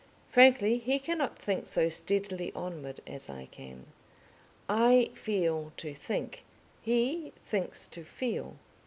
Frankly he cannot think so steadily onward as I can. I feel to think, he thinks to feel.